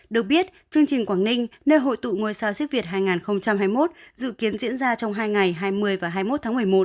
được biết chương trình quảng ninh nơi hội tụ ngôi sao siếc việt hai nghìn hai mươi một dự kiến diễn ra trong hai ngày hai mươi và hai mươi một tháng một mươi một